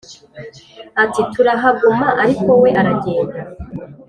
ati"turahaguma ariko we aragenda